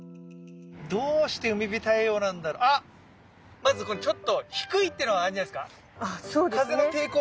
まずこれちょっと低いっていうのはあるんじゃないですか？